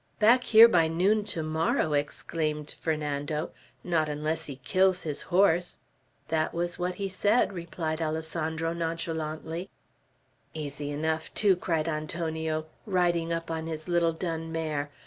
"Back here by noon to morrow!" exclaimed Fernando. "Not unless he kills his horse!" "That was what he said," replied Alessandro, nonchalantly. "Easy enough, too!" cried Antonio, riding up on his little dun mare.